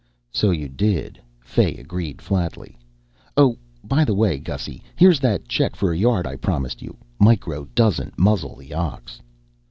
"So you did," Fay agreed flatly. "Oh by the way, Gussy, here's that check for a yard I promised you. Micro doesn't muzzle the ox."